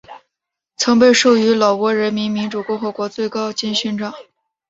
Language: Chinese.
曾被授予老挝人民民主共和国最高金质勋章。